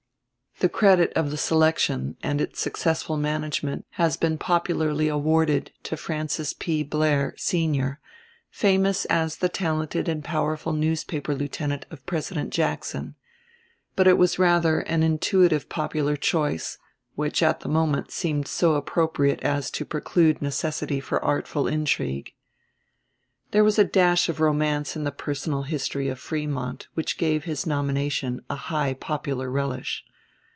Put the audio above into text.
The credit of the selection and its successful management has been popularly awarded to Francis P. Blair, senior, famous as the talented and powerful newspaper lieutenant of President Jackson; but it was rather an intuitive popular choice, which at the moment seemed so appropriate as to preclude necessity for artful intrigue. [Illustration: MILLARD FILLMORE.] There was a dash of romance in the personal history of Frémont which gave his nomination a high popular relish.